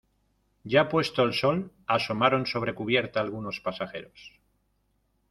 ya puesto el sol asomaron sobre cubierta algunos pasajeros.